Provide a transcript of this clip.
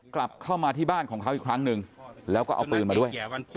กลับเข้ามาที่บ้านของเขาอีกครั้งหนึ่งแล้วก็เอาปืนมาด้วย